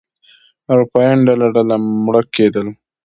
اروپایان ډله ډله مړه کېدل.